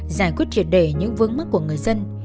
giải quyết triệt đề những vướng mắt của người dân